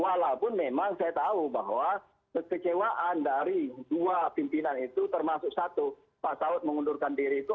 walaupun memang saya tahu bahwa kekecewaan dari dua pimpinan itu termasuk satu pak saud mengundurkan diri itu